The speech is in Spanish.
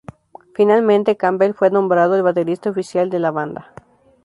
Finalmente, Campbell fue nombrado el baterista oficial de la banda.